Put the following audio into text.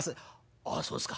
「ああそうですか。